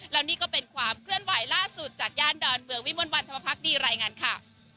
แล้วนี่ก็เป็นความเคลื่อนไหวล่าสุดจากย่านดอนเมืองวิมวลวันธรรมพักดีรายงานค่ะ